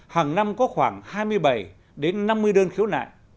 hàng năm có khoảng hai mươi bảy đến năm mươi đơn khiếu nại